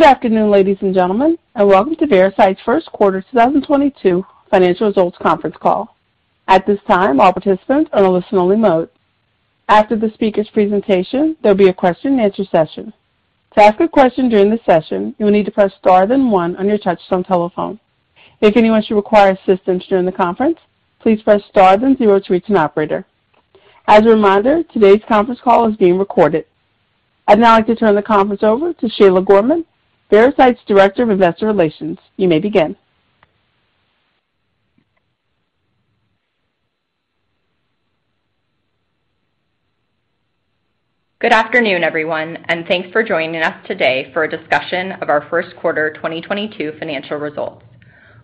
Good afternoon, ladies and gentlemen, and welcome to Veracyte's first quarter 2022 financial results conference call. At this time, all participants are in a listen-only mode. After the speaker's presentation, there'll be a question and answer session. To ask a question during the session, you will need to press star then one on your touch-tone telephone. If anyone should require assistance during the conference, please press star then zero to reach an operator. As a reminder, today's conference call is being recorded. I'd now like to turn the conference over to Shayla Gorman, Veracyte's Director of Investor Relations. You may begin. Good afternoon, everyone, and thanks for joining us today for a discussion of our first quarter 2022 financial results.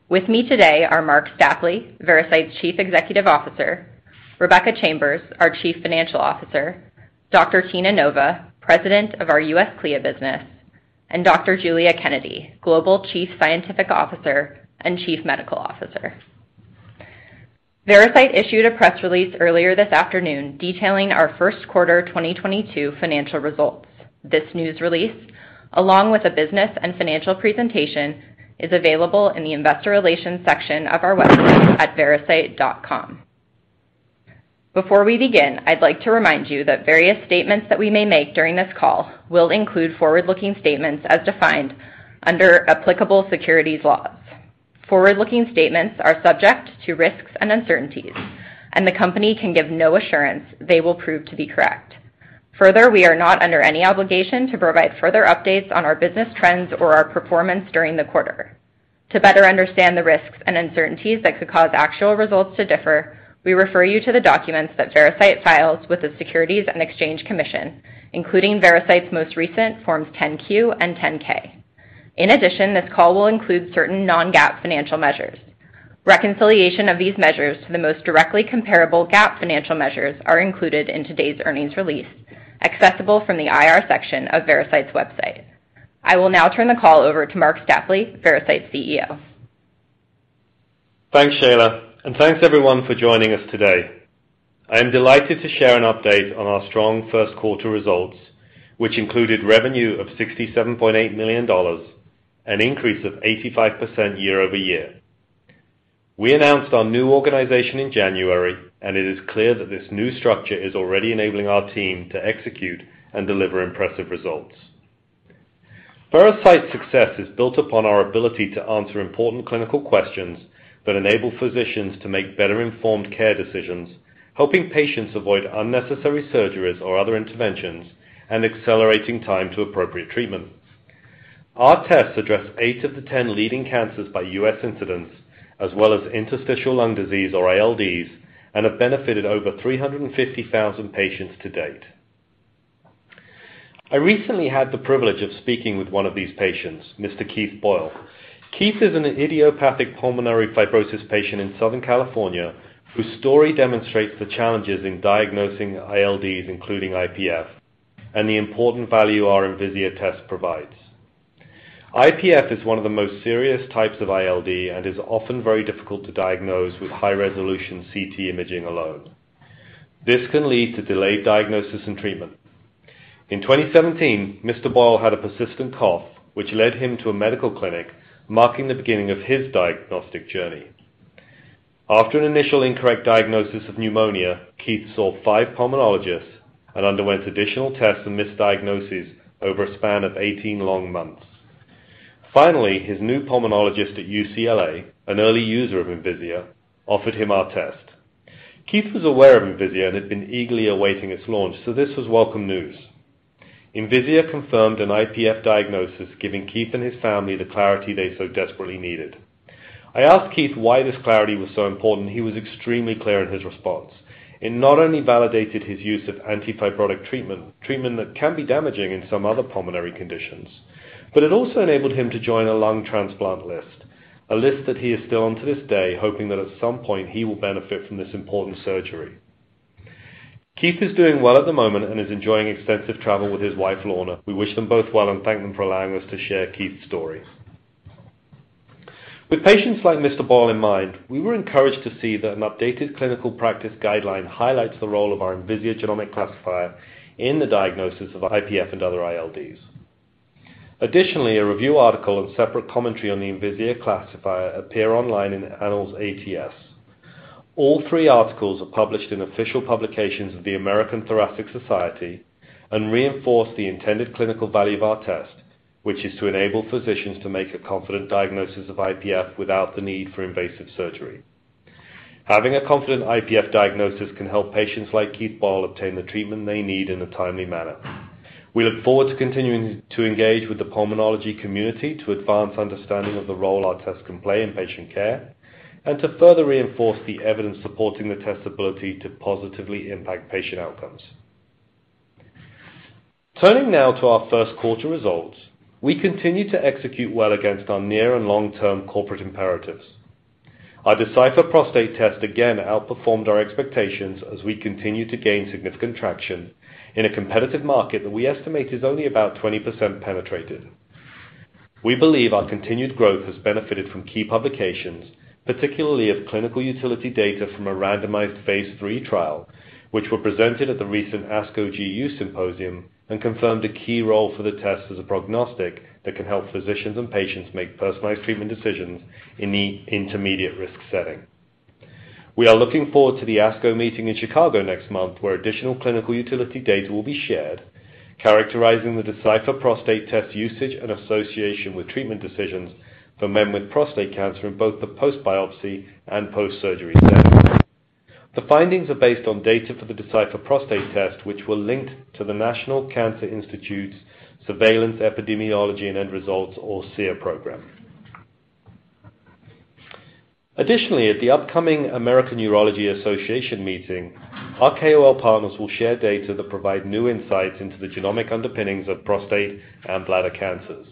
With me today are Marc Stapley, Veracyte's Chief Executive Officer, Rebecca Chambers, our Chief Financial Officer, Dr. Tina Nova, President of our U.S. CLIA business, and Dr. Giulia Kennedy, Global Chief Scientific Officer and Chief Medical Officer. Veracyte issued a press release earlier this afternoon detailing our first quarter 2022 financial results. This news release, along with a business and financial presentation, is available in the investor relations section of our website at veracyte.com. Before we begin, I'd like to remind you that various statements that we may make during this call will include forward-looking statements as defined under applicable securities laws. Forward-looking statements are subject to risks and uncertainties, and the company can give no assurance they will prove to be correct. Further, we are not under any obligation to provide further updates on our business trends or our performance during the quarter. To better understand the risks and uncertainties that could cause actual results to differ, we refer you to the documents that Veracyte files with the Securities and Exchange Commission, including Veracyte's most recent Forms 10-Q and 10-K. In addition, this call will include certain non-GAAP financial measures. Reconciliation of these measures to the most directly comparable GAAP financial measures are included in today's earnings release, accessible from the IR section of Veracyte's website. I will now turn the call over to Marc Stapley, Veracyte's CEO. Thanks, Shayla, and thanks everyone for joining us today. I am delighted to share an update on our strong first quarter results, which included revenue of $67.8 million, an increase of 85% year-over-year. We announced our new organization in January, and it is clear that this new structure is already enabling our team to execute and deliver impressive results. Veracyte's success is built upon our ability to answer important clinical questions that enable physicians to make better informed care decisions, helping patients avoid unnecessary surgeries or other interventions, and accelerating time to appropriate treatments. Our tests address 8 of the 10 leading cancers by U.S. incidence, as well as interstitial lung disease or ILDs, and have benefited over 350,000 patients to date. I recently had the privilege of speaking with one of these patients, Mr. Keith Boyle. Keith is an idiopathic pulmonary fibrosis patient in Southern California whose story demonstrates the challenges in diagnosing ILDs, including IPF, and the important value our Envisia test provides. IPF is one of the most serious types of ILD and is often very difficult to diagnose with high-resolution CT imaging alone. This can lead to delayed diagnosis and treatment. In 2017, Mr. Boyle had a persistent cough, which led him to a medical clinic, marking the beginning of his diagnostic journey. After an initial incorrect diagnosis of pneumonia, Keith saw 5 pulmonologists and underwent additional tests and misdiagnoses over a span of 18 long months. Finally, his new pulmonologist at UCLA, an early user of Envisia, offered him our test. Keith was aware of Envisia and had been eagerly awaiting its launch, so this was welcome news. Envisia confirmed an IPF diagnosis, giving Keith and his family the clarity they so desperately needed. I asked Keith why this clarity was so important, and he was extremely clear in his response. It not only validated his use of anti-fibrotic treatment that can be damaging in some other pulmonary conditions, but it also enabled him to join a lung transplant list, a list that he is still on to this day, hoping that at some point he will benefit from this important surgery. Keith is doing well at the moment and is enjoying extensive travel with his wife, Lorna. We wish them both well and thank them for allowing us to share Keith's story. With patients like Mr. Boyle in mind, we were encouraged to see that an updated clinical practice guideline highlights the role of our Envisia genomic classifier in the diagnosis of IPF and other ILDs. Additionally, a review article and separate commentary on the Envisia classifier appear online in Annals ATS. All three articles are published in official publications of the American Thoracic Society and reinforce the intended clinical value of our test, which is to enable physicians to make a confident diagnosis of IPF without the need for invasive surgery. Having a confident IPF diagnosis can help patients like Keith Boyle obtain the treatment they need in a timely manner. We look forward to continuing to engage with the pulmonology community to advance understanding of the role our test can play in patient care and to further reinforce the evidence supporting the test's ability to positively impact patient outcomes. Turning now to our first quarter results. We continue to execute well against our near and long-term corporate imperatives. Our Decipher Prostate test again outperformed our expectations as we continue to gain significant traction in a competitive market that we estimate is only about 20% penetrated. We believe our continued growth has benefited from key publications, particularly of clinical utility data from a randomized phase III trial, which were presented at the recent ASCO GU Cancers Symposium and confirmed a key role for the test as a prognostic that can help physicians and patients make personalized treatment decisions in the intermediate risk setting. We are looking forward to the ASCO meeting in Chicago next month, where additional clinical utility data will be shared, characterizing the Decipher Prostate test usage and association with treatment decisions for men with prostate cancer in both the post-biopsy and post-surgery settings. The findings are based on data for the Decipher Prostate Test, which were linked to the National Cancer Institute's Surveillance, Epidemiology, and End Results, or SEER program. Additionally, at the upcoming American Urological Association meeting, our KOL partners will share data that provide new insights into the genomic underpinnings of prostate and bladder cancers.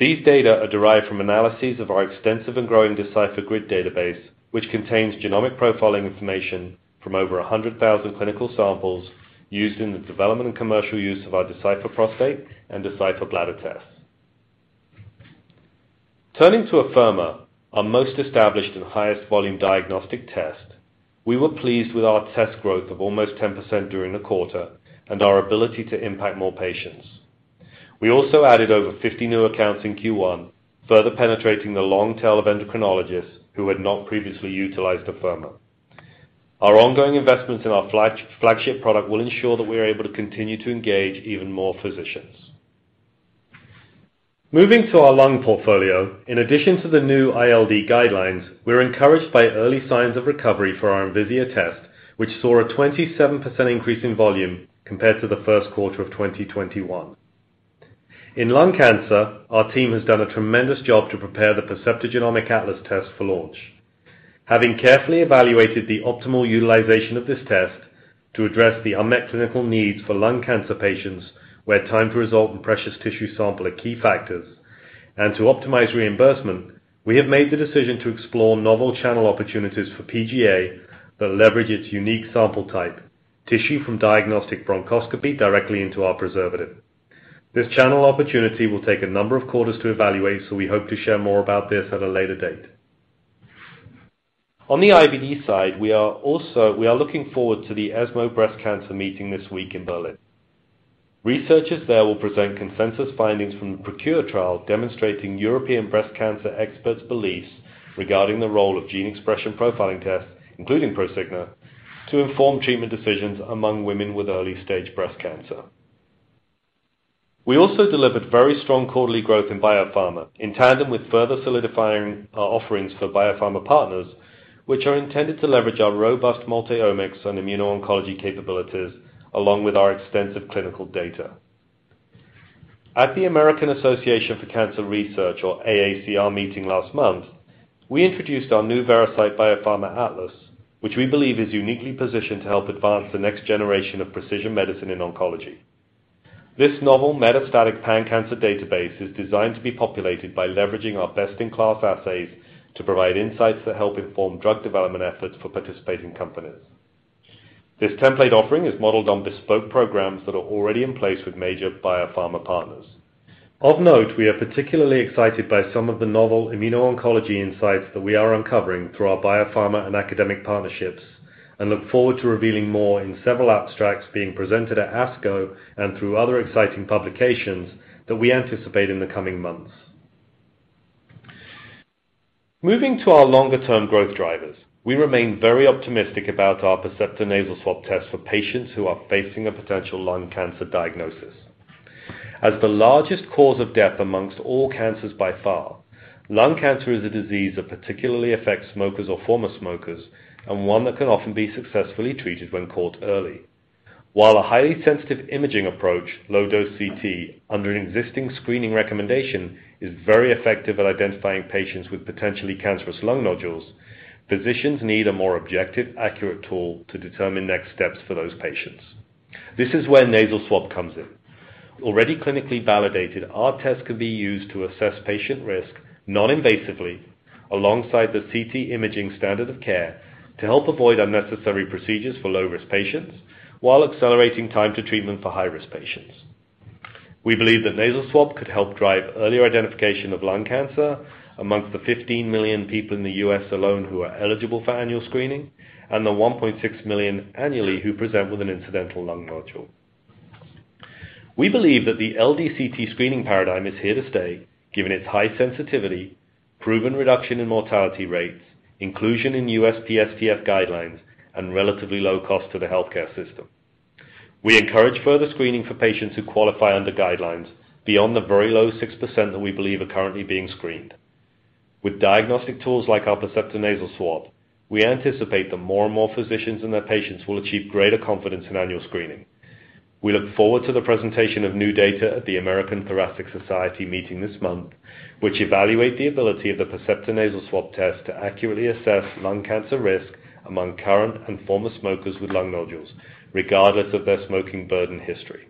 These data are derived from analyses of our extensive and growing Decipher GRID database, which contains genomic profiling information from over 100,000 clinical samples used in the development and commercial use of our Decipher Prostate and Decipher Bladder tests. Turning to Afirma, our most established and highest volume diagnostic test, we were pleased with our test growth of almost 10% during the quarter and our ability to impact more patients. We also added over 50 new accounts in Q1, further penetrating the long tail of endocrinologists who had not previously utilized Afirma. Our ongoing investments in our flagship product will ensure that we are able to continue to engage even more physicians. Moving to our lung portfolio, in addition to the new ILD guidelines, we're encouraged by early signs of recovery for our Envisia test, which saw a 27% increase in volume compared to the first quarter of 2021. In lung cancer, our team has done a tremendous job to prepare the Percepta Genomic Atlas test for launch. Having carefully evaluated the optimal utilization of this test to address the unmet clinical needs for lung cancer patients, where time to result and precious tissue sample are key factors, and to optimize reimbursement, we have made the decision to explore novel channel opportunities for PGA that leverage its unique sample type, tissue from diagnostic bronchoscopy, directly into our preservative. This channel opportunity will take a number of quarters to evaluate, so we hope to share more about this at a later date. On the IVD side, we are looking forward to the ESMO Breast Cancer meeting this week in Berlin. Researchers there will present consensus findings from the Procure trial demonstrating European breast cancer experts' beliefs regarding the role of gene expression profiling tests, including Prosigna, to inform treatment decisions among women with early-stage breast cancer. We also delivered very strong quarterly growth in biopharma, in tandem with further solidifying our offerings for biopharma partners, which are intended to leverage our robust multi-omics and immuno-oncology capabilities along with our extensive clinical data. At the American Association for Cancer Research, or AACR, meeting last month, we introduced our new Veracyte Biopharma Atlas, which we believe is uniquely positioned to help advance the next generation of precision medicine in oncology. This novel metastatic pan-cancer database is designed to be populated by leveraging our best-in-class assays to provide insights that help inform drug development efforts for participating companies. This template offering is modeled on bespoke programs that are already in place with major biopharma partners. Of note, we are particularly excited by some of the novel immuno-oncology insights that we are uncovering through our biopharma and academic partnerships and look forward to revealing more in several abstracts being presented at ASCO and through other exciting publications that we anticipate in the coming months. Moving to our longer-term growth drivers, we remain very optimistic about our Percepta Nasal Swab test for patients who are facing a potential lung cancer diagnosis. As the largest cause of death among all cancers by far, lung cancer is a disease that particularly affects smokers or former smokers and one that can often be successfully treated when caught early. While a highly sensitive imaging approach, low-dose CT, under an existing screening recommendation, is very effective at identifying patients with potentially cancerous lung nodules, physicians need a more objective, accurate tool to determine next steps for those patients. This is where nasal swab comes in. Already clinically validated, our test can be used to assess patient risk non-invasively alongside the CT imaging standard of care to help avoid unnecessary procedures for low-risk patients while accelerating time to treatment for high-risk patients. We believe that Nasal Swab could help drive earlier identification of lung cancer among the 15 million people in the U.S. alone who are eligible for annual screening and the 1.6 million annually who present with an incidental lung nodule. We believe that the LDCT screening paradigm is here to stay given its high sensitivity, proven reduction in mortality rates, inclusion in USPSTF guidelines, and relatively low cost to the healthcare system. We encourage further screening for patients who qualify under guidelines beyond the very low 6% that we believe are currently being screened. With diagnostic tools like our Percepta Nasal Swab, we anticipate that more and more physicians and their patients will achieve greater confidence in annual screening. We look forward to the presentation of new data at the American Thoracic Society meeting this month, which evaluate the ability of the Percepta Nasal Swab test to accurately assess lung cancer risk among current and former smokers with lung nodules, regardless of their smoking burden history.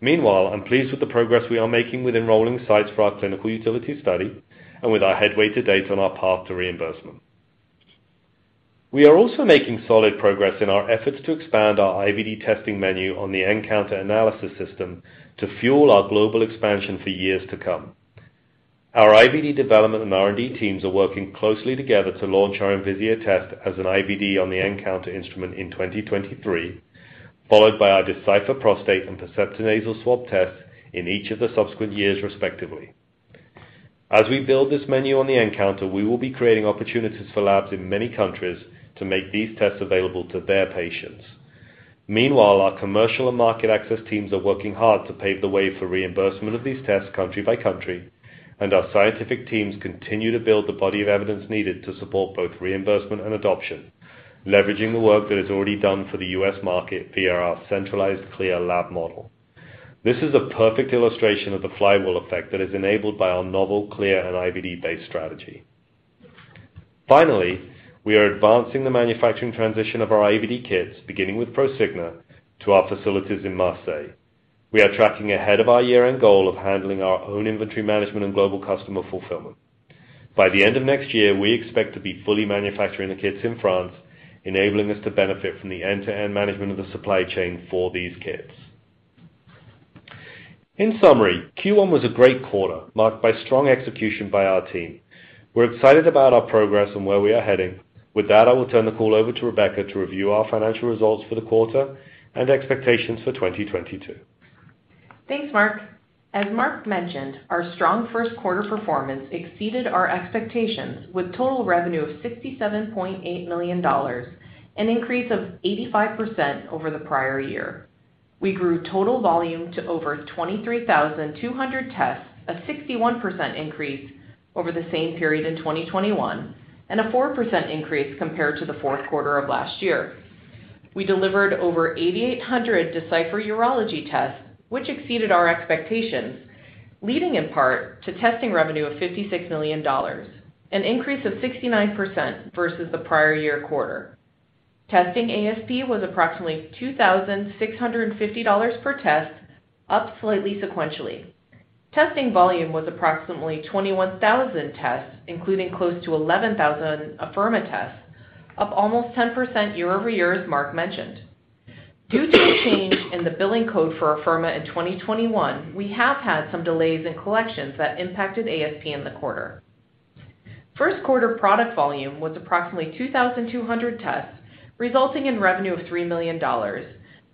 Meanwhile, I'm pleased with the progress we are making with enrolling sites for our clinical utility study and with our headway to date on our path to reimbursement. We are also making solid progress in our efforts to expand our IVD testing menu on the nCounter analysis system to fuel our global expansion for years to come. Our IVD development and R&D teams are working closely together to launch our Envisia test as an IVD on the nCounter instrument in 2023, followed by our Decipher Prostate and Percepta Nasal Swab tests in each of the subsequent years, respectively. As we build this menu on the nCounter, we will be creating opportunities for labs in many countries to make these tests available to their patients. Meanwhile, our commercial and market access teams are working hard to pave the way for reimbursement of these tests country by country, and our scientific teams continue to build the body of evidence needed to support both reimbursement and adoption, leveraging the work that is already done for the U.S. market via our centralized CLIA lab model. This is a perfect illustration of the flywheel effect that is enabled by our novel CLIA and IVD-based strategy. Finally, we are advancing the manufacturing transition of our IVD kits, beginning with Prosigna, to our facilities in Marseille. We are tracking ahead of our year-end goal of handling our own inventory management and global customer fulfillment. By the end of next year, we expect to be fully manufacturing the kits in France, enabling us to benefit from the end-to-end management of the supply chain for these kits. In summary, Q1 was a great quarter, marked by strong execution by our team. We're excited about our progress and where we are heading. With that, I will turn the call over to Rebecca to review our financial results for the quarter and expectations for 2022. Thanks, Marc. As Marc mentioned, our strong first quarter performance exceeded our expectations with total revenue of $67.8 million, an increase of 85% over the prior year. We grew total volume to over 23,200 tests, a 61% increase over the same period in 2021, and a 4% increase compared to the fourth quarter of last year. We delivered over 8,800 Decipher Urology tests, which exceeded our expectations, leading in part to testing revenue of $56 million, an increase of 69% versus the prior year quarter. Testing ASP was approximately $2,650 per test, up slightly sequentially. Testing volume was approximately 21,000 tests, including close to 11,000 Afirma tests, up almost 10% year-over-year as Marc mentioned. Due to a change in the billing code for Afirma in 2021, we have had some delays in collections that impacted ASP in the quarter. First quarter product volume was approximately 2,200 tests, resulting in revenue of $3 million,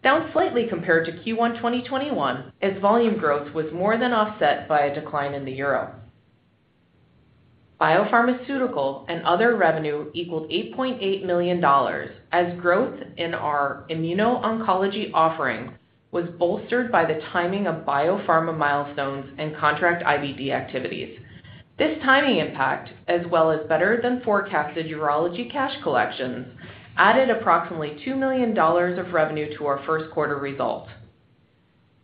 down slightly compared to Q1 2021 as volume growth was more than offset by a decline in the euro. Biopharmaceutical and other revenue equaled $8.8 million as growth in our immuno-oncology offering was bolstered by the timing of biopharma milestones and contract IVD activities. This timing impact, as well as better-than-forecasted urology cash collections, added approximately $2 million of revenue to our first quarter results.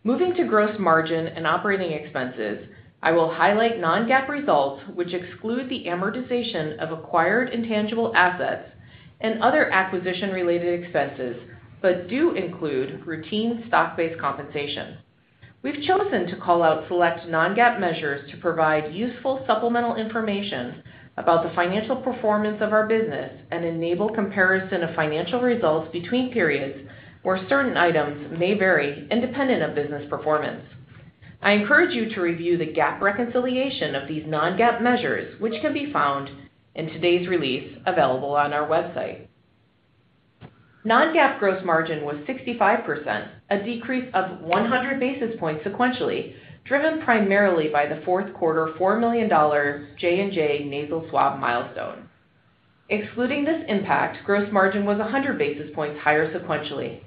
Moving to gross margin and operating expenses, I will highlight non-GAAP results, which exclude the amortization of acquired intangible assets and other acquisition-related expenses, but do include routine stock-based compensation. We've chosen to call out select non-GAAP measures to provide useful supplemental information about the financial performance of our business and enable comparison of financial results between periods where certain items may vary independent of business performance. I encourage you to review the GAAP reconciliation of these non-GAAP measures, which can be found in today's release available on our website. Non-GAAP gross margin was 65%, a decrease of 100 basis points sequentially, driven primarily by the fourth quarter $4 million J&J nasal swab milestone. Excluding this impact, gross margin was 100 basis points higher sequentially.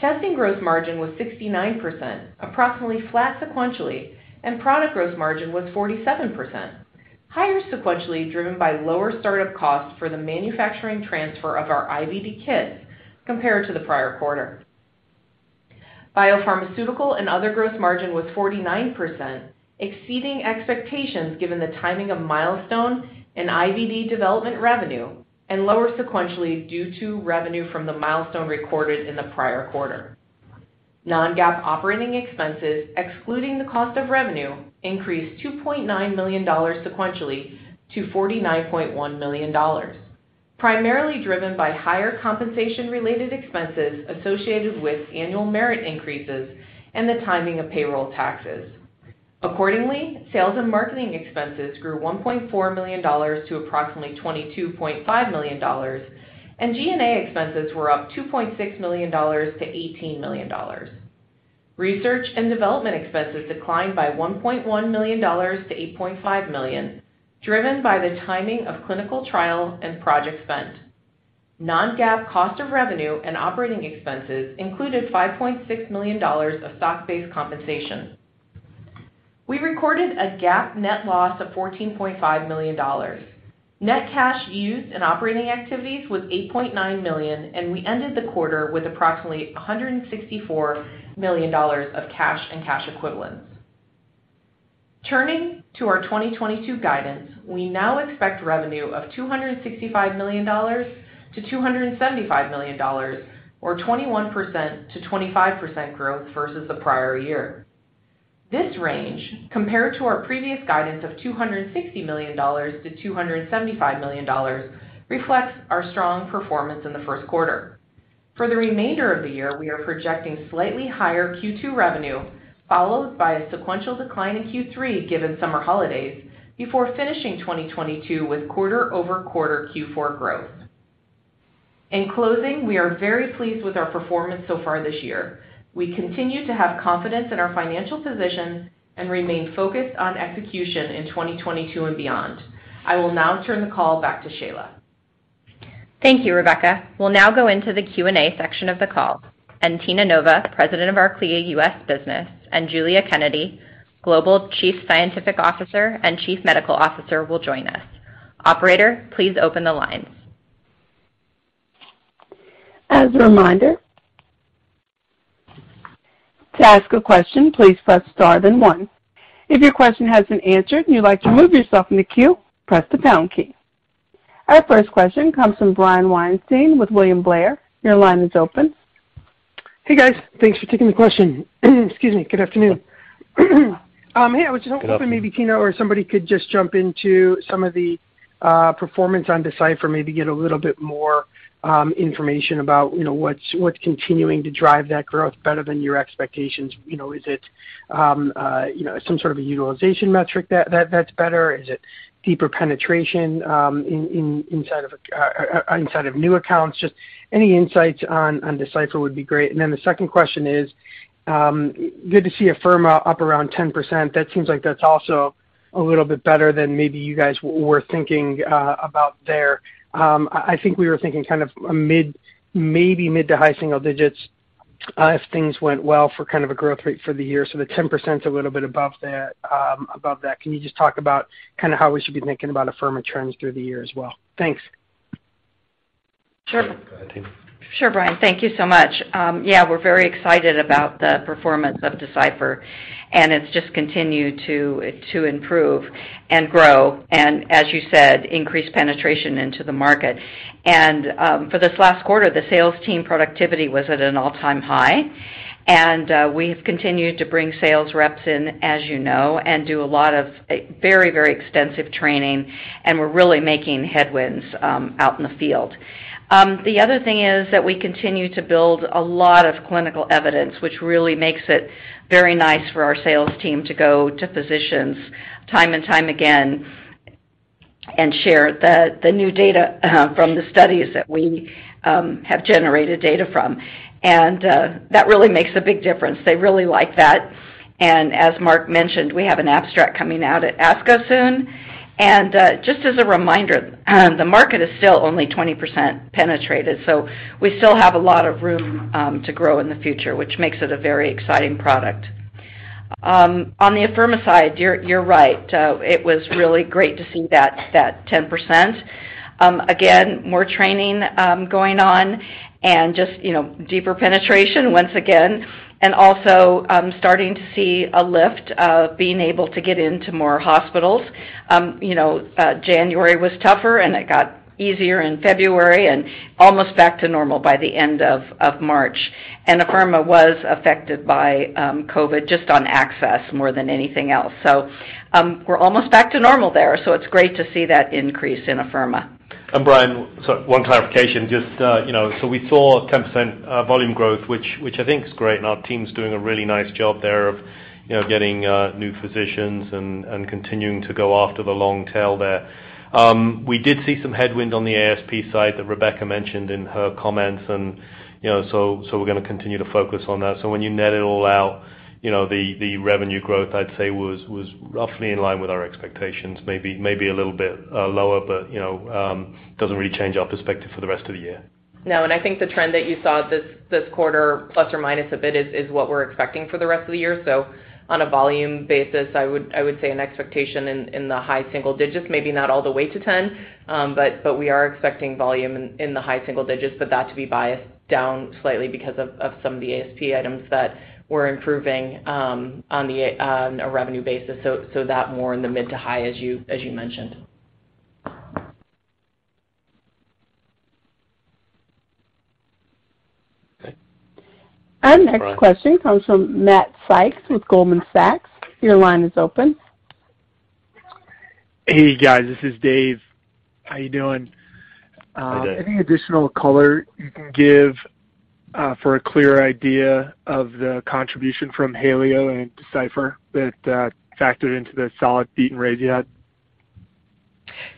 Testing gross margin was 69%, approximately flat sequentially, and product gross margin was 47%, higher sequentially, driven by lower start-up costs for the manufacturing transfer of our IVD kits compared to the prior quarter. Biopharmaceutical and other gross margin was 49%, exceeding expectations given the timing of milestone and IVD development revenue, and lower sequentially due to revenue from the milestone recorded in the prior quarter. Non-GAAP operating expenses, excluding the cost of revenue, increased $2.9 million sequentially to $49.1 million, primarily driven by higher compensation-related expenses associated with annual merit increases and the timing of payroll taxes. Accordingly, sales and marketing expenses grew $1.4 million to approximately $22.5 million, and G&A expenses were up $2.6 million-$18 million. Research and development expenses declined by $1.1 million-$8.5 million, driven by the timing of clinical trial and project spend. Non-GAAP cost of revenue and operating expenses included $5.6 million of stock-based compensation. We recorded a GAAP net loss of $14.5 million. Net cash used in operating activities was $8.9 million, and we ended the quarter with approximately $164 million of cash and cash equivalents. Turning to our 2022 guidance, we now expect revenue of $265 million-$275 million, or 21%-25% growth versus the prior year. This range, compared to our previous guidance of $260 million-$275 million, reflects our strong performance in the first quarter. For the remainder of the year, we are projecting slightly higher Q2 revenue, followed by a sequential decline in Q3 given summer holidays, before finishing 2022 with quarter-over-quarter Q4 growth. In closing, we are very pleased with our performance so far this year. We continue to have confidence in our financial position and remain focused on execution in 2022 and beyond. I will now turn the call back to Shayla. Thank you, Rebecca. We'll now go into the Q&A section of the call. Tina Nova, President of our CLIA U.S. business, and Giulia Kennedy, Global Chief Scientific Officer and Chief Medical Officer, will join us. Operator, please open the lines. As a reminder, to ask a question, please press Star then 1. If your question has been answered and you'd like to remove yourself from the queue, press the pound key. Our first question comes from Brian Weinstein with William Blair. Your line is open. Hey, guys. Thanks for taking the question. Excuse me. Good afternoon. Hey, I was just hoping maybe Tina or somebody could just jump into some of the performance on Decipher, maybe get a little bit more information about, you know, what's continuing to drive that growth better than your expectations. You know, is it, you know, some sort of a utilization metric that's better? Is it deeper penetration inside of new accounts? Just any insights on Decipher would be great. Then the second question is, good to see Afirma up around 10%. That seems like that's also a little bit better than maybe you guys were thinking about there. I think we were thinking kind of a mid, maybe mid to high single digits if things went well for kind of a growth rate for the year. The 10% is a little bit above that, above that. Can you just talk about kind of how we should be thinking about Afirma trends through the year as well? Thanks. Sure. Go ahead, Tina. Sure, Brian. Thank you so much. We're very excited about the performance of Decipher, and it's just continued to improve and grow and, as you said, increase penetration into the market. For this last quarter, the sales team productivity was at an all-time high, and we've continued to bring sales reps in, as you know, and do a lot of very extensive training, and we're really making headway out in the field. The other thing is that we continue to build a lot of clinical evidence, which really makes it very nice for our sales team to go to physicians time and time again and share the new data from the studies that we have generated data from. That really makes a big difference. They really like that. As Marc mentioned, we have an abstract coming out at ASCO soon. Just as a reminder, the market is still only 20% penetrated, so we still have a lot of room to grow in the future, which makes it a very exciting product. On the Afirma side, you're right. It was really great to see that 10%. Again, more training going on and just, you know, deeper penetration once again, and also starting to see a lift of being able to get into more hospitals. You know, January was tougher, and it got easier in February and almost back to normal by the end of March. Afirma was affected by COVID just on access more than anything else. We're almost back to normal there, so it's great to see that increase in Afirma. Brian, one clarification. Just, you know, so we saw a 10% volume growth, which I think is great, and our team's doing a really nice job there of getting new physicians and continuing to go after the long tail there. We did see some headwind on the ASP side that Rebecca mentioned in her comments and, you know, so we're gonna continue to focus on that. When you net it all out, you know, the revenue growth, I'd say, was roughly in line with our expectations, maybe a little bit lower, but, you know, doesn't really change our perspective for the rest of the year. No, I think the trend that you saw this quarter, plus or minus a bit, is what we're expecting for the rest of the year. On a volume basis, I would say an expectation in the high single digits, maybe not all the way to 10. We are expecting volume in the high single digits, but that to be biased down slightly because of some of the ASP items that we're improving on a revenue basis. That more in the mid to high as you mentioned. Okay. Our next question comes from Matt Sykes with Goldman Sachs. Your line is open. Hey, guys, this is Dave. How you doing? Hi, Dave. Any additional color you can give for a clearer idea of the contribution from HalioDx and Decipher that factored into the solid beat and raise you had?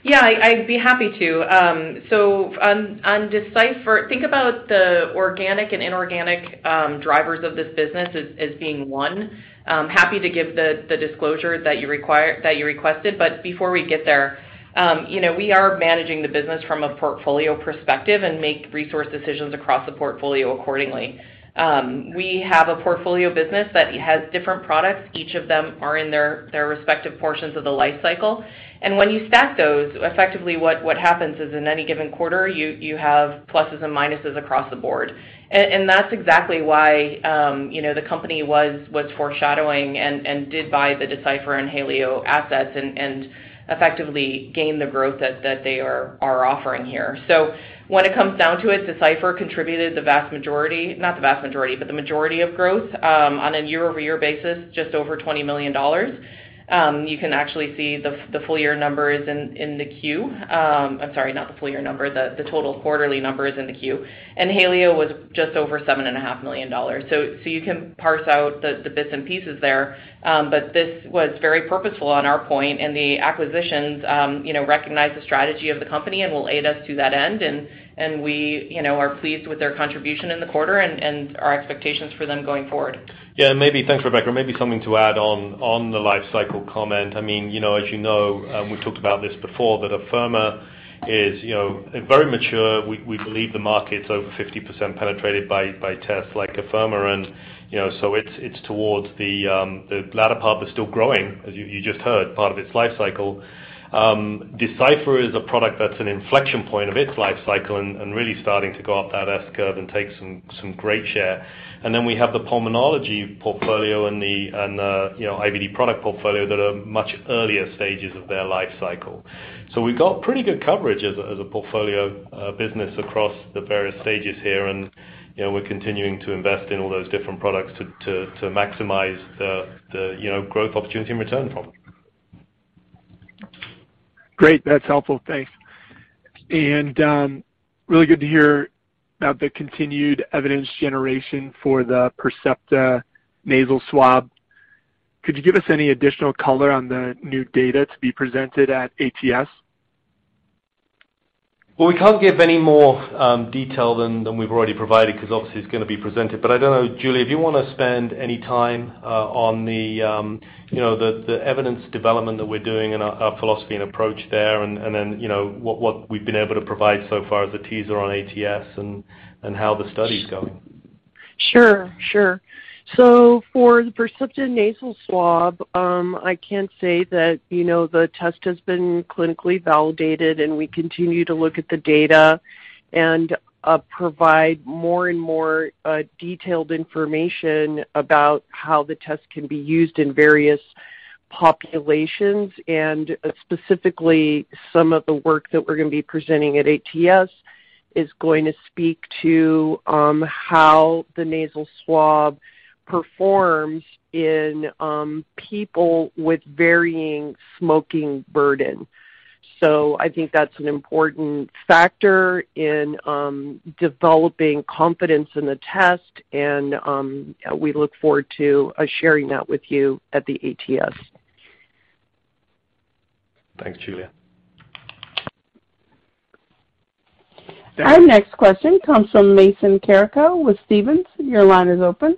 Yeah, I'd be happy to. On Decipher, think about the organic and inorganic drivers of this business as being one. Happy to give the disclosure that you requested. Before we get there, you know, we are managing the business from a portfolio perspective and make resource decisions across the portfolio accordingly. We have a portfolio business that has different products. Each of them are in their respective portions of the life cycle. When you stack those, effectively what happens is in any given quarter, you have pluses and minuses across the board. That's exactly why, you know, the company was foreshadowing and did buy the Decipher and HalioDx assets and effectively gain the growth that they are offering here. When it comes down to it, Decipher contributed the vast majority, not the vast majority, but the majority of growth on a year-over-year basis, just over $20 million. You can actually see the full year numbers in the 10-Q. I'm sorry, not the full year number, the total quarterly number is in the 10-Q. HalioDx was just over $7.5 million. You can parse out the bits and pieces there. This was very purposeful on our part, and the acquisitions recognize the strategy of the company and will aid us to that end, and we are pleased with their contribution in the quarter and our expectations for them going forward. Yeah. Maybe. Thanks, Rebecca. Maybe something to add on the life cycle comment. I mean, you know, as you know, we talked about this before, that Afirma is, you know, very mature. We believe the market's over 50% penetrated by tests like Afirma. You know, so it's towards the latter part, but still growing, as you just heard, part of its life cycle. Decipher is a product that's an inflection point of its life cycle and really starting to go up that S curve and take some great share. Then we have the pulmonology portfolio and the IVD product portfolio that are much earlier stages of their life cycle. We've got pretty good coverage as a portfolio business across the various stages here. You know, we're continuing to invest in all those different products to maximize the, you know, growth opportunity and return from them. Great. That's helpful. Thanks. Really good to hear about the continued evidence generation for the Percepta Nasal Swab. Could you give us any additional color on the new data to be presented at ATS? Well, we can't give any more detail than we've already provided because obviously it's gonna be presented. I don't know, Giulia, do you wanna spend any time on you know, the evidence development that we're doing and our philosophy and approach there and then, you know, what we've been able to provide so far as a teaser on ATS and how the study's going? Sure, sure. For the Percepta Nasal Swab, I can say that, you know, the test has been clinically validated, and we continue to look at the data and provide more and more detailed information about how the test can be used in various populations. Specifically, some of the work that we're gonna be presenting at ATS is going to speak to how the Nasal Swab performs in people with varying smoking burden. I think that's an important factor in developing confidence in the test and we look forward to sharing that with you at the ATS. Thanks, Giulia. Our next question comes from Mason Carrico with Stephens. Your line is open.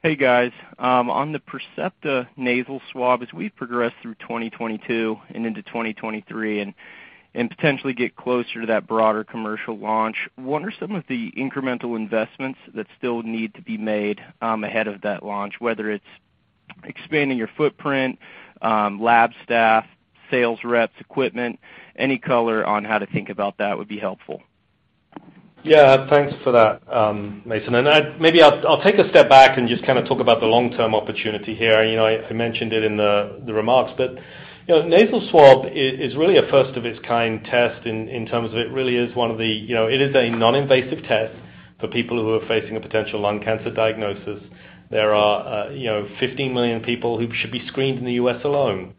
Hey, guys. On the Percepta Nasal Swab, as we progress through 2022 and into 2023 and potentially get closer to that broader commercial launch, what are some of the incremental investments that still need to be made ahead of that launch, whether it's expanding your footprint, lab staff, sales reps, equipment, any color on how to think about that would be helpful. Yeah. Thanks for that, Mason. Maybe I'll take a step back and just kind of talk about the long-term opportunity here. You know, I mentioned it in the remarks, but you know, nasal swab is really a first of its kind test in terms of it really is one of the. You know, it is a non-invasive test for people who are facing a potential lung cancer diagnosis. There are you know, 15 million people who should be screened in the U.S. alone,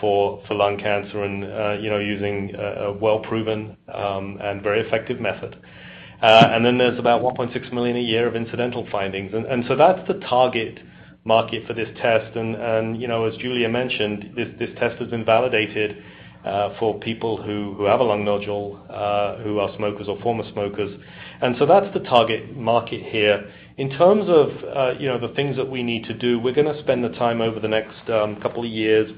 for lung cancer and you know, using a well-proven and very effective method. Then there's about 1.6 million a year of incidental findings. So that's the target market for this test. you know, as Giulia mentioned, this test has been validated for people who have a lung nodule who are smokers or former smokers. That's the target market here. In terms of you know, the things that we need to do, we're gonna spend the time over the next couple of years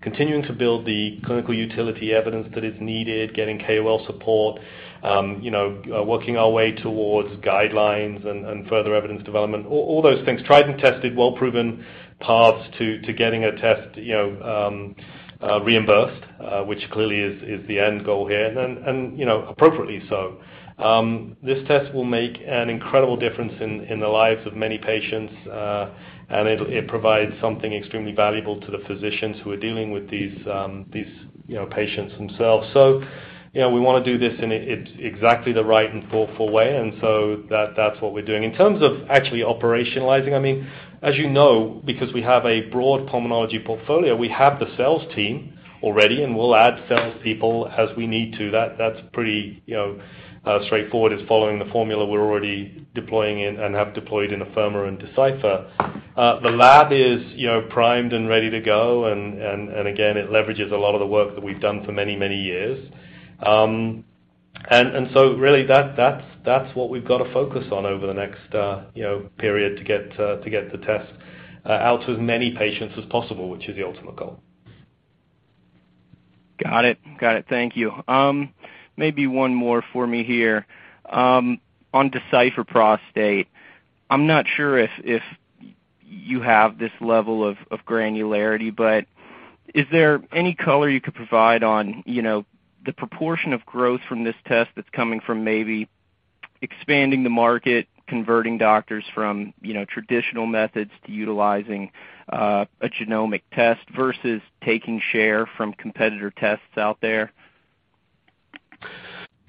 continuing to build the clinical utility evidence that is needed, getting KOL support, you know, working our way towards guidelines and further evidence development, all those things. Tried and tested, well-proven paths to getting a test you know reimbursed, which clearly is the end goal here. you know, appropriately so. This test will make an incredible difference in the lives of many patients, and it'll. It provides something extremely valuable to the physicians who are dealing with these, you know, patients themselves. You know, we wanna do this in exactly the right and thoughtful way, and that's what we're doing. In terms of actually operationalizing, I mean, as you know, because we have a broad pulmonology portfolio, we have the sales team already, and we'll add sales people as we need to. That's pretty, you know, straightforward. It's following the formula we're already deploying in and have deployed in Afirma and Decipher. The lab is, you know, primed and ready to go and again, it leverages a lot of the work that we've done for many years. Really that's what we've got to focus on over the next, you know, period to get the test out to as many patients as possible, which is the ultimate goal. Got it. Thank you. Maybe one more for me here. On Decipher Prostate, I'm not sure if you have this level of granularity, but is there any color you could provide on, you know, the proportion of growth from this test that's coming from maybe expanding the market, converting doctors from, you know, traditional methods to utilizing a genomic test versus taking share from competitor tests out there?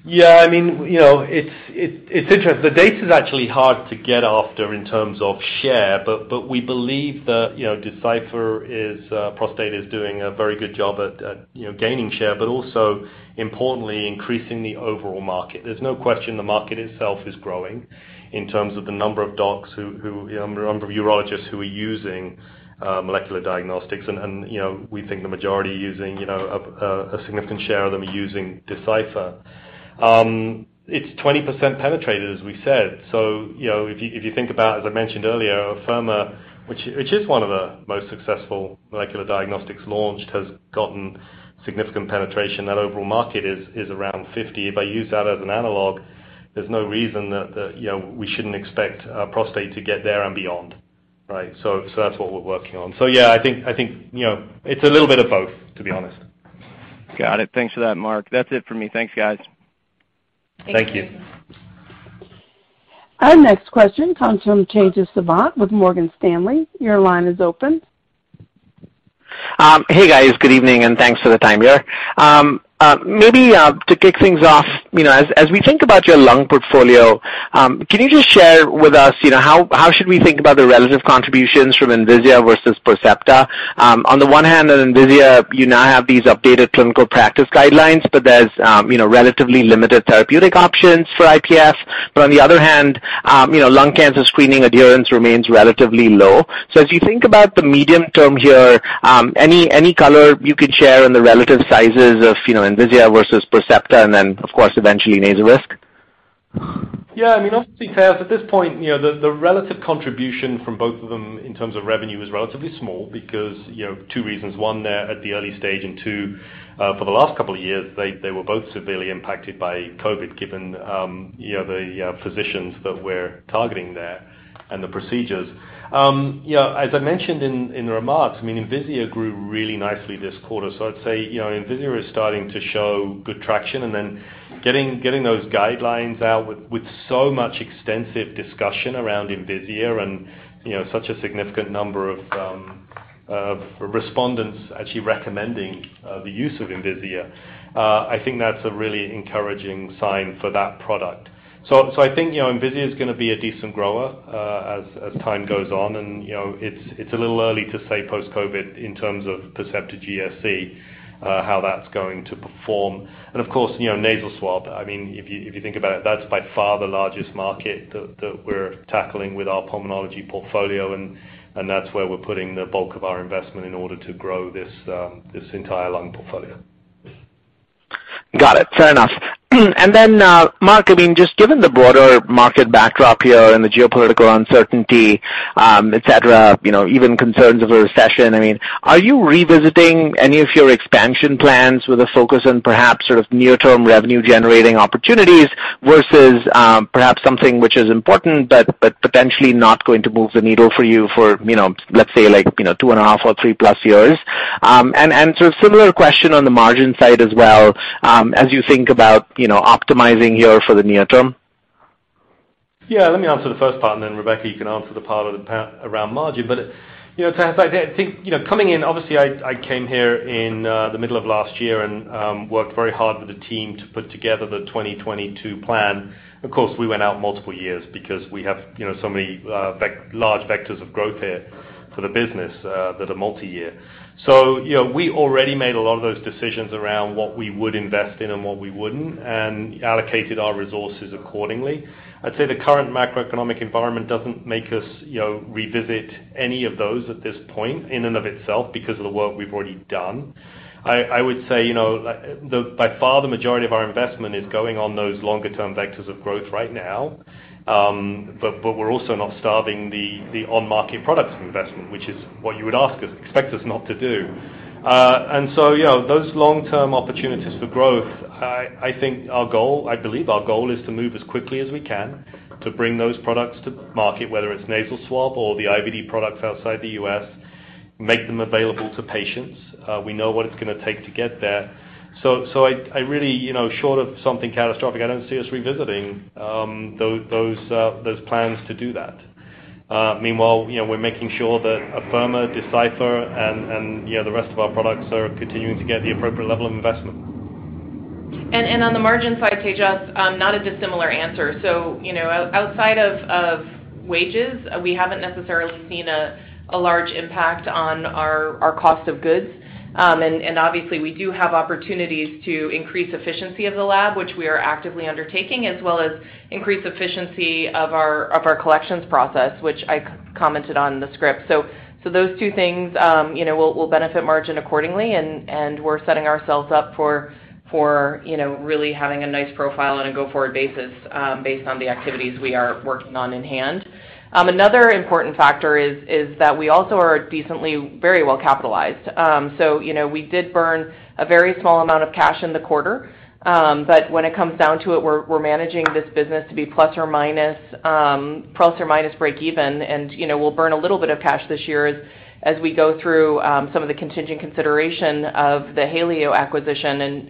Yeah, I mean, you know, the data's actually hard to get at in terms of share, but we believe that, you know, Decipher Prostate is doing a very good job at, you know, gaining share, but also importantly, increasing the overall market. There's no question the market itself is growing in terms of the number of docs who, you know, number of urologists who are using molecular diagnostics. We think the majority are using, you know, a significant share of them are using Decipher. It's 20% penetrated, as we said. You know, if you think about, as I mentioned earlier, Afirma, which is one of the most successful molecular diagnostics launched, has gotten significant penetration. That overall market is around 50%. If I use that as an analog, there's no reason that you know we shouldn't expect our prostate to get there and beyond, right? That's what we're working on. Yeah, I think you know it's a little bit of both, to be honest. Got it. Thanks for that, Marc. That's it for me. Thanks, guys. Thank you. Thank you. Our next question comes from Tejas Savant with Morgan Stanley. Your line is open. Hey, guys. Good evening, and thanks for the time here. Maybe to kick things off, you know, as we think about your lung portfolio, can you just share with us, you know, how should we think about the relative contributions from Envisia versus Percepta? On the one hand, in Envisia, you now have these updated clinical practice guidelines, but there's, you know, relatively limited therapeutic options for IPF. On the other hand, you know, lung cancer screening adherence remains relatively low. As you think about the medium term here, any color you could share in the relative sizes of, you know, Envisia versus Percepta, and then, of course, eventually, Percepta Nasal Swab. Yeah. I mean, honestly, Tejas, at this point, you know, the relative contribution from both of them in terms of revenue is relatively small because, you know, two reasons. One, they're at the early stage, and two, for the last couple of years, they were both severely impacted by COVID, given, you know, the physicians that we're targeting there and the procedures. You know, as I mentioned in the remarks, I mean, Envisia grew really nicely this quarter. So I'd say, you know, Envisia is starting to show good traction. Getting those guidelines out with so much extensive discussion around Envisia and, you know, such a significant number of respondents actually recommending the use of Envisia, I think that's a really encouraging sign for that product. I think, you know, Envisia is gonna be a decent grower, as time goes on. You know, it's a little early to say post-COVID in terms of Percepta GSC, how that's going to perform. Of course, you know, Nasal Swab, I mean, if you think about it, that's by far the largest market that we're tackling with our pulmonology portfolio, and that's where we're putting the bulk of our investment in order to grow this entire lung portfolio. Got it. Fair enough. Marc Stapley, I mean, just given the broader market backdrop here and the geopolitical uncertainty, et cetera, you know, even concerns of a recession, I mean, are you revisiting any of your expansion plans with a focus on perhaps sort of near-term revenue generating opportunities versus, perhaps something which is important, but potentially not going to move the needle for you for, you know, let's say like, you know, 2.5 or 3+ years? Similar question on the margin side as well, as you think about, you know, optimizing here for the near term. Yeah. Let me answer the first part, and then Rebecca, you can answer the part around margin. You know, Tejas, I think, you know, coming in, obviously, I came here in the middle of last year and worked very hard with the team to put together the 2022 plan. Of course, we went out multiple years because we have, you know, so many large vectors of growth here for the business that are multi-year. You know, we already made a lot of those decisions around what we would invest in and what we wouldn't and allocated our resources accordingly. I'd say the current macroeconomic environment doesn't make us, you know, revisit any of those at this point in and of itself because of the work we've already done. I would say, you know, by far the majority of our investment is going on those longer-term vectors of growth right now. But we're also not starving the on-market products investment, which is what you would expect us not to do. You know, those long-term opportunities for growth, I believe our goal is to move as quickly as we can to bring those products to market, whether it's nasal swab or the IVD products outside the U.S., make them available to patients. We know what it's gonna take to get there. I really, you know, short of something catastrophic, I don't see us revisiting those plans to do that. Meanwhile, you know, we're making sure that Afirma, Decipher and yeah, the rest of our products are continuing to get the appropriate level of investment. On the margin side, Tejas, not a dissimilar answer. You know, outside of wages, we haven't necessarily seen a large impact on our cost of goods. Obviously, we do have opportunities to increase efficiency of the lab, which we are actively undertaking, as well as increase efficiency of our collections process, which I commented on in the script. Those two things, you know, will benefit margin accordingly, and we're setting ourselves up for you know really having a nice profile on a go-forward basis, based on the activities we are working on in hand. Another important factor is that we also are decently very well capitalized. You know, we did burn a very small amount of cash in the quarter. When it comes down to it, we're managing this business to be plus or minus break even. You know, we'll burn a little bit of cash this year as we go through some of the contingent consideration of the HalioDx acquisition.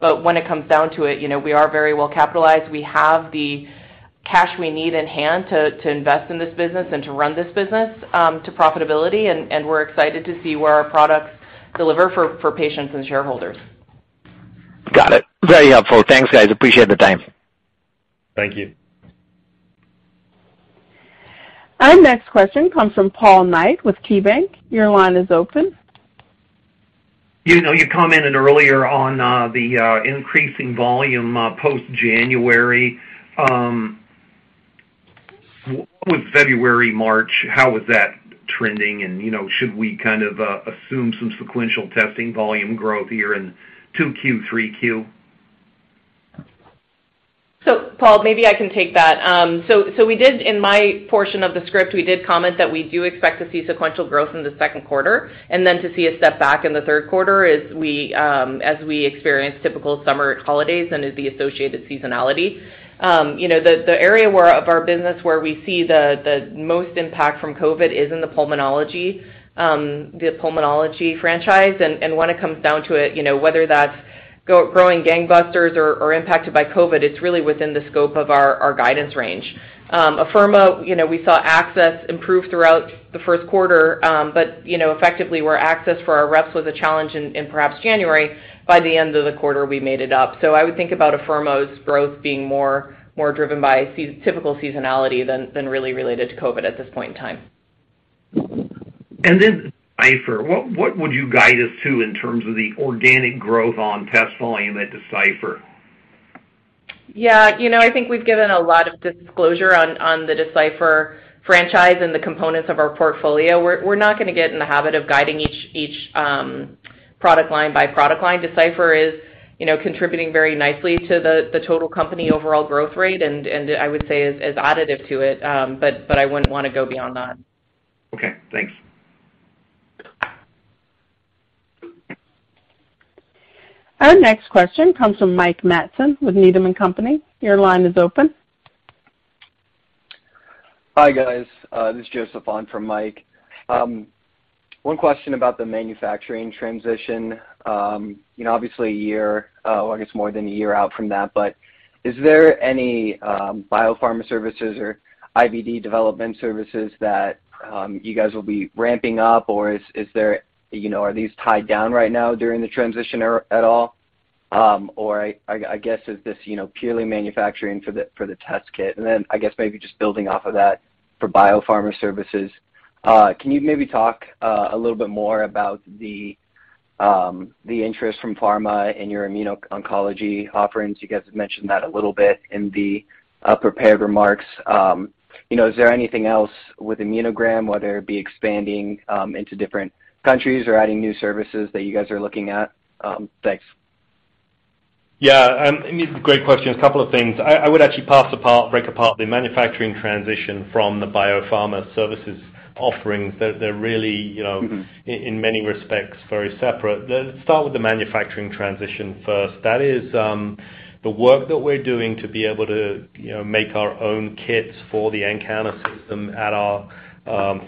When it comes down to it, you know, we are very well capitalized. We have the cash we need in hand to invest in this business and to run this business to profitability, and we're excited to see where our products Deliver for patients and shareholders. Got it. Very helpful. Thanks, guys. Appreciate the time. Thank you. Our next question comes from Paul Knight with KeyBanc. Your line is open. You know, you commented earlier on the increasing volume post January. With February, March, how was that trending? You know, should we kind of assume some sequential testing volume growth here in 2Q, 3Q? Paul, maybe I can take that. We did, in my portion of the script, we did comment that we do expect to see sequential growth in the second quarter, and then to see a step back in the third quarter as we experience typical summer holidays and as the associated seasonality. You know, the area of our business where we see the most impact from COVID is in the pulmonology franchise. When it comes down to it, you know, whether that's growing gangbusters or impacted by COVID, it's really within the scope of our guidance range. Afirma, you know, we saw access improve throughout the first quarter. You know, effectively, where access for our reps was a challenge in perhaps January, by the end of the quarter, we made it up. I would think about Afirma's growth being more driven by seasonal typical seasonality than really related to COVID at this point in time. Decipher, what would you guide us to in terms of the organic growth on test volume at Decipher? Yeah. You know, I think we've given a lot of disclosure on the Decipher franchise and the components of our portfolio. We're not gonna get in the habit of guiding each product line by product line. Decipher is, you know, contributing very nicely to the total company overall growth rate, and I would say is additive to it. But I wouldn't wanna go beyond that. Okay, thanks. Our next question comes from Mike Matson with Needham & Company. Your line is open. Hi, guys. This is Joseph on for Mike. One question about the manufacturing transition. You know, obviously a year, or I guess more than a year out from that, but is there any biopharma services or IVD development services that you guys will be ramping up? Or is there. You know, are these tied down right now during the transition or at all? Or I guess is this you know purely manufacturing for the test kit? Then, I guess maybe just building off of that for biopharma services, can you maybe talk a little bit more about the interest from pharma in your immuno-oncology offerings? You guys have mentioned that a little bit in the prepared remarks. You know, is there anything else with Immunosign, whether it be expanding into different countries or adding new services that you guys are looking at? Thanks. Yeah. These are great questions. A couple of things. I would actually parse apart, break apart the manufacturing transition from the biopharma services offerings. They're really, you know. In many respects, very separate. Let's start with the manufacturing transition first. That is the work that we're doing to be able to, you know, make our own kits for the nCounter system at our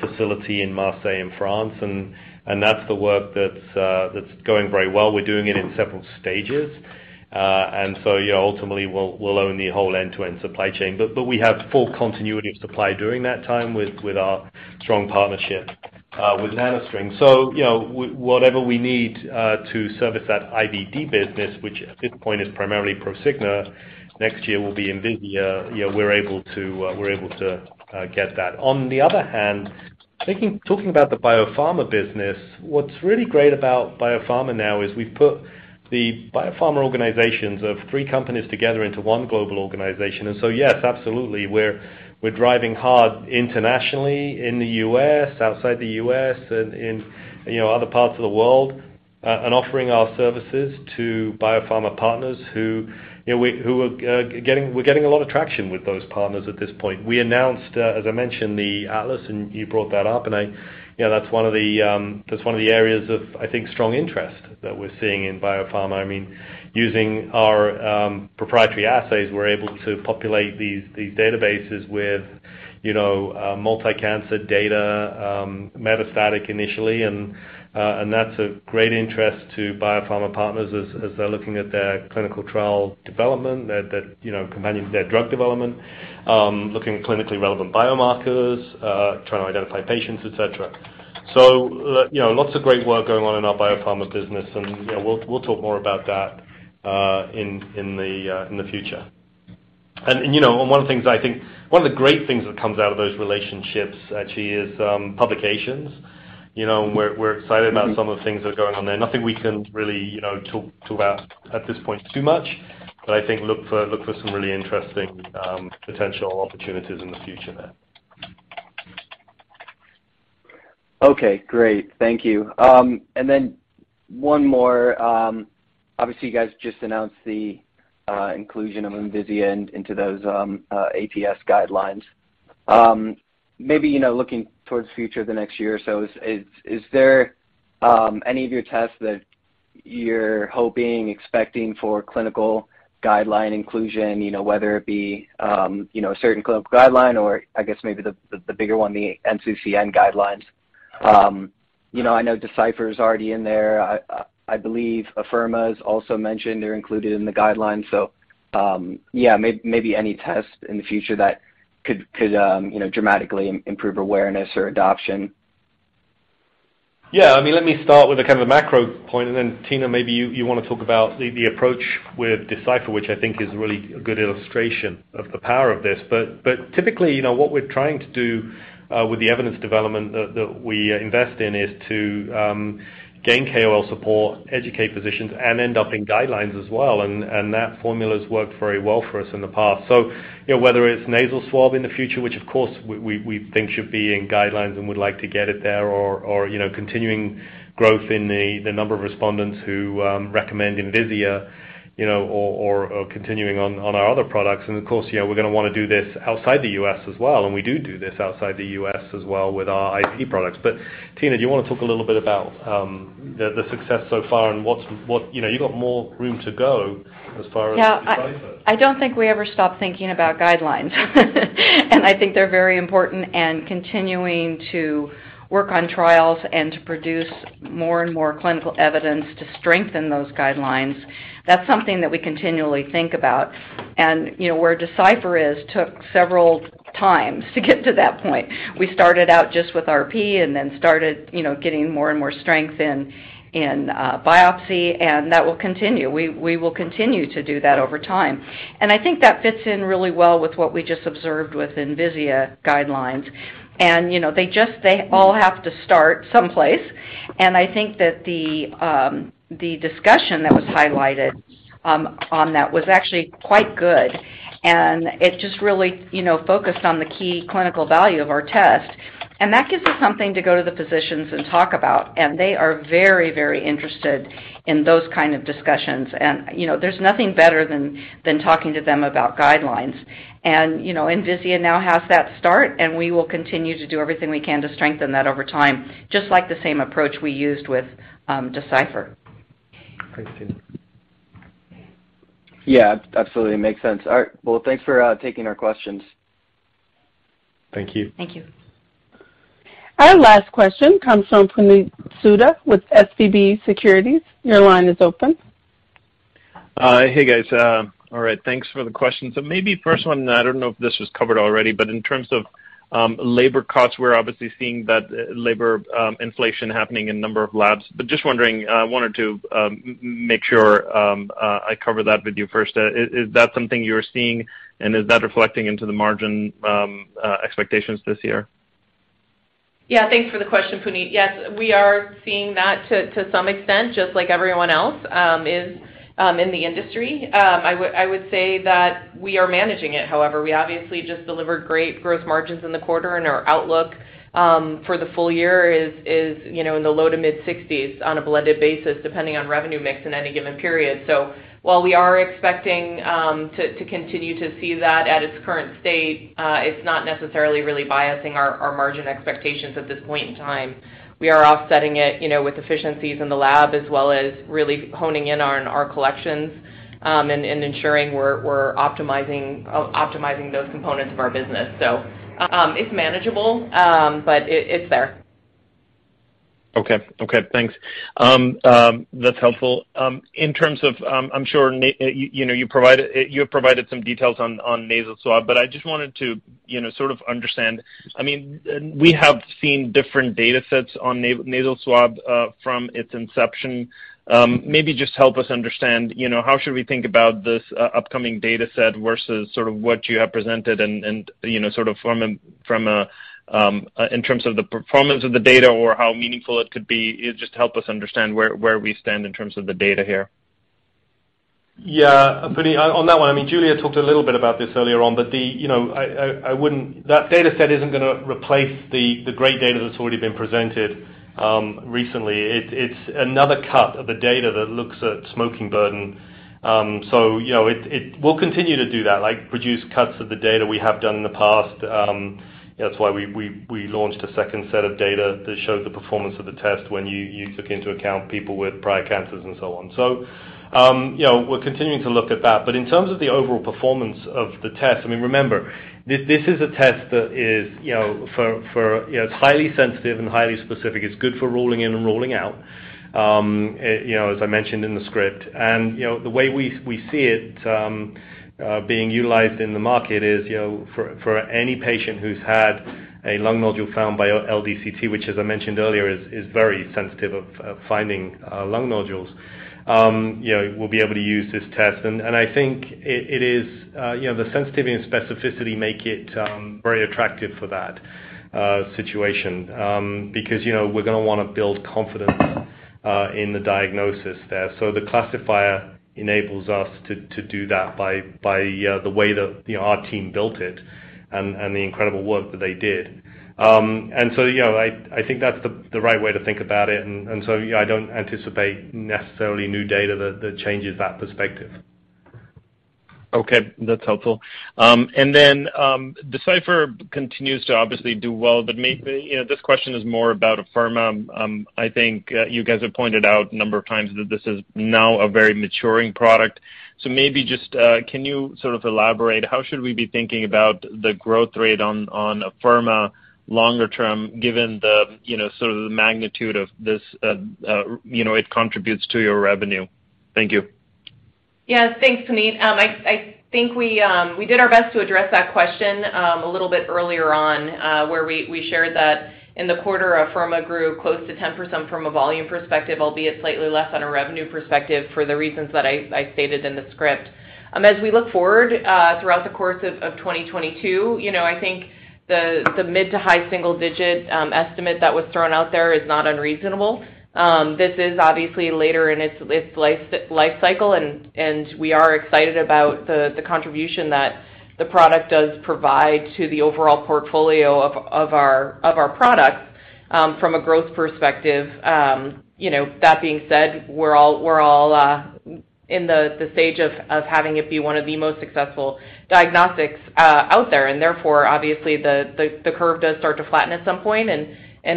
facility in Marseille in France. That's the work that's going very well. We're doing it in several stages. You know, ultimately, we'll own the whole end-to-end supply chain. We have full continuity of supply during that time with our strong partnership with NanoString. You know, whatever we need to service that IVD business, which at this point is primarily Prosigna, next year will be Envisia. You know, we're able to get that. On the other hand, thinking. Talking about the biopharma business, what's really great about biopharma now is we've put the biopharma organizations of three companies together into one global organization. Yes, absolutely, we're driving hard internationally in the U.S., outside the U.S. and in, you know, other parts of the world, and offering our services to biopharma partners who, you know, we're getting a lot of traction with those partners at this point. We announced, as I mentioned, the Atlas, and you brought that up. You know, that's one of the areas of, I think, strong interest that we're seeing in biopharma. I mean, using our proprietary assays, we're able to populate these databases with, you know, multi-cancer data, metastatic initially. That's of great interest to biopharma partners as they're looking at their clinical trial development, their you know, their drug development, looking at clinically relevant biomarkers, trying to identify patients, et cetera. You know, lots of great work going on in our biopharma business and, you know, we'll talk more about that in the future. You know, one of the great things that comes out of those relationships actually is publications. You know, we're excited about some of the things that are going on there. Nothing we can really you know, talk about at this point too much. I think look for some really interesting potential opportunities in the future there. Okay, great. Thank you. One more. Obviously, you guys just announced the inclusion of Envisia into those ATS guidelines. Maybe, you know, looking towards the future, the next year or so, is there any of your tests that you're hoping, expecting for clinical guideline inclusion, you know, whether it be, you know, a certain clinical guideline or I guess maybe the bigger one, the NCCN guidelines? You know, I know Decipher is already in there. I believe Afirma is also mentioned or included in the guidelines. Yeah, maybe any test in the future that could, you know, dramatically improve awareness or adoption. Yeah. I mean, let me start with a kind of a macro point, and then Tina, maybe you wanna talk about the approach with Decipher, which I think is really a good illustration of the power of this. Typically, you know, what we're trying to do with the evidence development that we invest in is to gain KOL support, educate physicians, and end up in guidelines as well. That formula's worked very well for us in the past. You know, whether it's nasal swab in the future, which of course we think should be in guidelines and would like to get it there or, you know, continuing growth in the number of respondents who recommend Envisia, you know, or continuing on our other products. Of course, you know, we're gonna wanna do this outside the U.S. as well, and we do this outside the U.S. as well with our IVD products. Tina, do you wanna talk a little bit about the success so far and what's. You know, you've got more room to go as far as Decipher. Yeah. I don't think we ever stop thinking about guidelines. I think they're very important and continuing to work on trials and to produce more and more clinical evidence to strengthen those guidelines, that's something that we continually think about. You know, where Decipher is took several times to get to that point. We started out just with RP and then started, you know, getting more and more strength in biopsy, and that will continue. We will continue to do that over time. I think that fits in really well with what we just observed with Envisia guidelines. You know, they all have to start someplace. I think that the discussion that was highlighted on that was actually quite good. It just really, you know, focused on the key clinical value of our test. That gives us something to go to the physicians and talk about, and they are very, very interested in those kind of discussions. You know, there's nothing better than talking to them about guidelines. You know, Envisia now has that start, and we will continue to do everything we can to strengthen that over time, just like the same approach we used with Decipher. Great, Tina. Yeah, absolutely. Makes sense. All right. Well, thanks for taking our questions. Thank you. Thank you. Our last question comes from Puneet Souda with SVB Securities. Your line is open. Hey, guys. All right. Thanks for the question. Maybe first one, I don't know if this was covered already, but in terms of labor costs, we're obviously seeing that labor inflation happening in a number of labs. Just wondering, I wanted to make sure I cover that with you first. Is that something you're seeing, and is that reflecting into the margin expectations this year? Yeah. Thanks for the question, Puneet. Yes, we are seeing that to some extent, just like everyone else is in the industry. I would say that we are managing it, however. We obviously just delivered great gross margins in the quarter, and our outlook for the full year is, you know, in the low- to mid-60s% on a blended basis, depending on revenue mix in any given period. While we are expecting to continue to see that at its current state, it's not necessarily really biasing our margin expectations at this point in time. We are offsetting it, you know, with efficiencies in the lab as well as really honing in on our collections and ensuring we're optimizing those components of our business. It's manageable, but it's there. Okay. Okay, thanks. That's helpful. In terms of, I'm sure you know, you have provided some details on nasal swab, but I just wanted to, you know, sort of understand. I mean, we have seen different data sets on nasal swab from its inception. Maybe just help us understand, you know, how should we think about this upcoming data set versus sort of what you have presented and, you know, sort of from a, from a, in terms of the performance of the data or how meaningful it could be. Just help us understand where we stand in terms of the data here. Yeah. Puneet, on that one, I mean, Giulia talked a little bit about this earlier on, but you know, I wouldn't. That data set isn't gonna replace the great data that's already been presented recently. It's another cut of the data that looks at smoking burden. You know, we'll continue to do that, like produce cuts of the data we have done in the past. That's why we launched a second set of data that showed the performance of the test when you took into account people with prior cancers and so on. You know, we're continuing to look at that. In terms of the overall performance of the test, I mean, remember, this is a test that is, you know, highly sensitive and highly specific. It's good for ruling in and ruling out, you know, as I mentioned in the script. You know, the way we see it being utilized in the market is, you know, for any patient who's had a lung nodule found by LDCT, which as I mentioned earlier, is very sensitive to finding lung nodules. You know, we'll be able to use this test. I think it is. You know, the sensitivity and specificity make it very attractive for that situation, because, you know, we're gonna wanna build confidence in the diagnosis there. The classifier enables us to do that by the way that, you know, our team built it and the incredible work that they did. you know, I think that's the right way to think about it. I don't anticipate necessarily new data that changes that perspective. Okay. That's helpful. Decipher continues to obviously do well, but maybe. You know, this question is more about Afirma. I think you guys have pointed out a number of times that this is now a very maturing product. Maybe just can you sort of elaborate how should we be thinking about the growth rate on Afirma longer term given the, you know, sort of the magnitude of this, you know, it contributes to your revenue? Thank you. Yeah. Thanks, Puneet. I think we did our best to address that question a little bit earlier on, where we shared that in the quarter, Afirma grew close to 10% from a volume perspective, albeit slightly less on a revenue perspective for the reasons that I stated in the script. As we look forward throughout the course of 2022, you know, I think the mid- to high-single-digit estimate that was thrown out there is not unreasonable. This is obviously later in its life cycle and we are excited about the contribution that the product does provide to the overall portfolio of our products from a growth perspective. You know, that being said, we're all in the stage of having it be one of the most successful diagnostics out there, and therefore, obviously, the curve does start to flatten at some point, and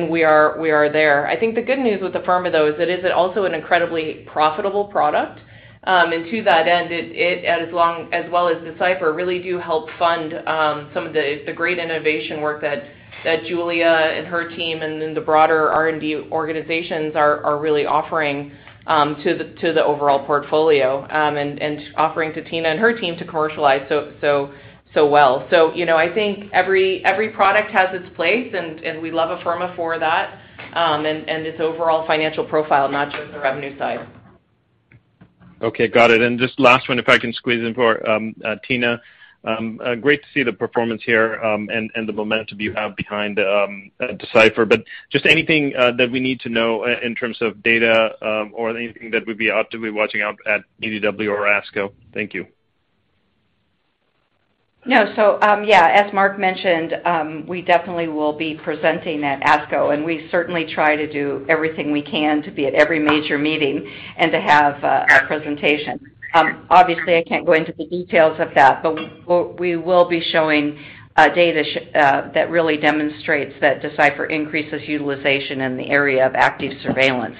we are there. I think the good news with Afirma, though, is that it is also an incredibly profitable product. To that end, it as well as Decipher really do help fund some of the great innovation work that Giulia and her team and then the broader R&D organizations are really offering to the overall portfolio, and offering to Tina and her team to commercialize so well. You know, I think every product has its place and we love Afirma for that, and its overall financial profile, not just the revenue side. Okay, got it. Just last one, if I can squeeze in for Tina. Great to see the performance here, and the momentum you have behind Decipher. Just anything that we need to know in terms of data, or anything that we'd be optimally watching out at AUA or ASCO? Thank you. No. Yeah, as Marc mentioned, we definitely will be presenting at ASCO, and we certainly try to do everything we can to be at every major meeting and to have a presentation. Obviously, I can't go into the details of that, but we will be showing data that really demonstrates that Decipher increases utilization in the area of active surveillance,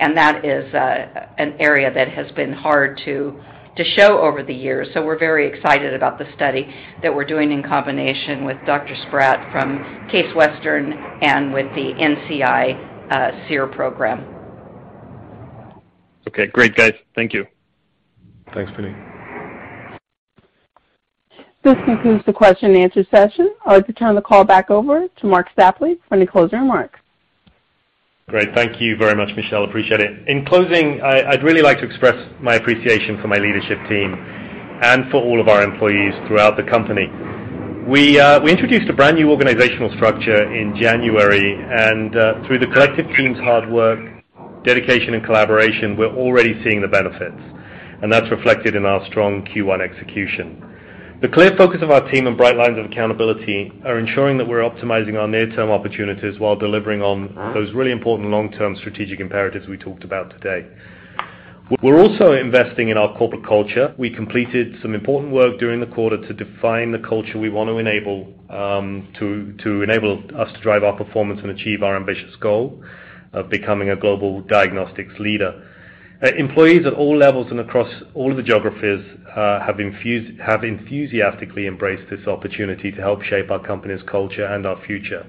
and that is an area that has been hard to show over the years. We're very excited about the study that we're doing in combination with Dr. Spratt from Case Western and with the NCI SEER program. Okay, great, guys. Thank you. Thanks, Puneet. This concludes the question and answer session. I'd like to turn the call back over to Marc Stapley for any closing remarks. Great. Thank you very much, Michelle. Appreciate it. In closing, I'd really like to express my appreciation for my leadership team and for all of our employees throughout the company. We introduced a brand new organizational structure in January, and through the collective team's hard work, dedication, and collaboration, we're already seeing the benefits, and that's reflected in our strong Q1 execution. The clear focus of our team and bright lines of accountability are ensuring that we're optimizing our near-term opportunities while delivering on those really important long-term strategic imperatives we talked about today. We're also investing in our corporate culture. We completed some important work during the quarter to define the culture we want to enable us to drive our performance and achieve our ambitious goal of becoming a global diagnostics leader. Employees at all levels and across all of the geographies have enthusiastically embraced this opportunity to help shape our company's culture and our future.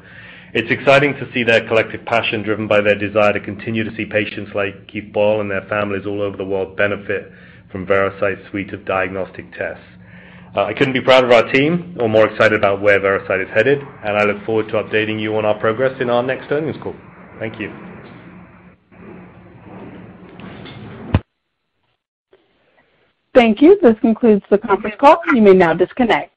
It's exciting to see their collective passion driven by their desire to continue to see patients like Keith Boyle and their families all over the world benefit from Veracyte's suite of diagnostic tests. I couldn't be prouder of our team or more excited about where Veracyte is headed, and I look forward to updating you on our progress in our next earnings call. Thank you. Thank you. This concludes the conference call. You may now disconnect.